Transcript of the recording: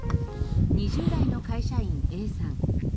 ２０代の会社員Ａさん。